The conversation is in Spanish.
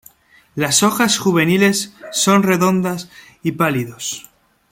Las hojas juveniles son redondas y pálidos.